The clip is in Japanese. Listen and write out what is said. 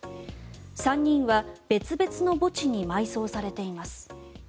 ３人は別々の墓地に埋葬されています。